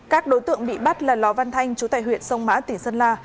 các đối tượng bị bắt là ló văn thanh trú tại huyện sông mã tỉnh sơn la